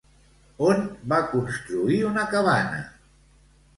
On va construir una cabana?